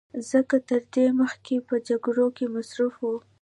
ځکه تر دې مخکې به په جګړو کې مصروف و